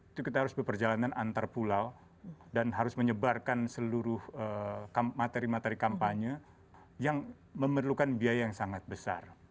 itu kita harus berperjalanan antar pulau dan harus menyebarkan seluruh materi materi kampanye yang memerlukan biaya yang sangat besar